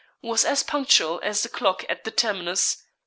was as punctual as the clock at the terminus.